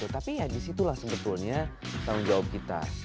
tapi ya di situlah sebetulnya tanggung jawab kita